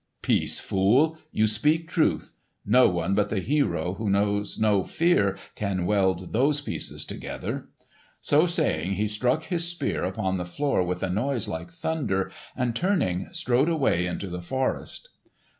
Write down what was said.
"Peace, fool! You speak truth. No one but the hero who knows no fear can weld those pieces together!" So saying he struck his spear upon the floor with a noise like thunder and turning strode away into the forest.